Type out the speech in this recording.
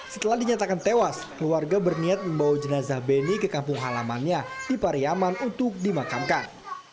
setelah dinyatakan tewas keluarga berniat membawa jenazah beni ke kampung halamannya di pariyaman untuk dimakamkan